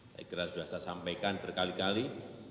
saya kira sudah saya sampaikan berkali kali